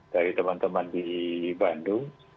dari teman teman di bandung